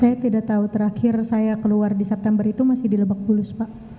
saya tidak tahu terakhir saya keluar di september itu masih di lebak bulus pak